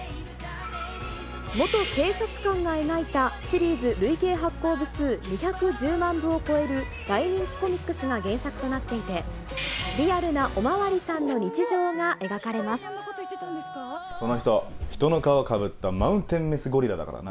元警察官が描いたシリーズ累計発行部数２１０万部を超える大人気コミックスが原作となっていて、リアルなお巡りさんの日常が描かその人、人の皮をかぶったマウンテンメスゴリラだからな。